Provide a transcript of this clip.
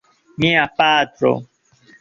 Mia patro.